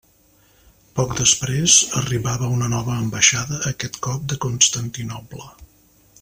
Poc després, arribava una nova ambaixada, aquest cop de Constantinoble.